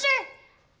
hmm berat lagi